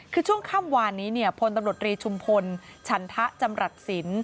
คือช่วงค่ำวานนี้เนี่ยพลตำรวจรีชุมพลฉันทะจำรัฐศิลป์